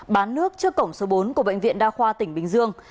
bán nước trước cổng số bốn của bệnh viện đa khoa tỉnh bình dương